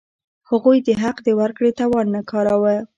هغوی د حق د ورکړې توان نه کاراوه.